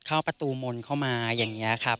เข้าประตูมนต์เข้ามาอย่างนี้ครับ